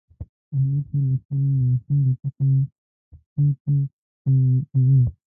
احمد تل له خپل ماشوم بچي سره تی تی کوي.